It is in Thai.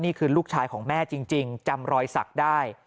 นี่คือลูกชายของแม่จริงจำรอยสักได้